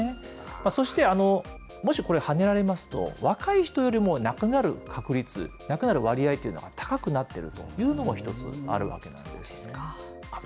そして、もしこれ、はねられますと、若い人よりも亡くなる確率、亡くなる割合というのが高くなっているというのが一つあるわけなんです。